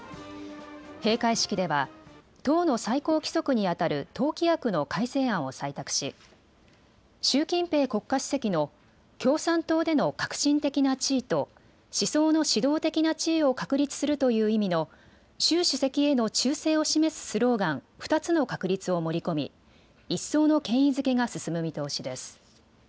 閉会式では党の最高規則にあたる党規約の改正案を採択し、習近平国家主席の共産党での核心的な地位と思想の指導的な地位を確立するという意味の習主席への忠誠を示すスローガン２つの確立を盛り込み一層の権威づけが進む見通しです。